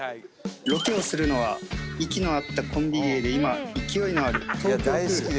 ロケをするのは息の合ったコンビ芸で今勢いのあるＴＯＫＹＯＣＯＯＬ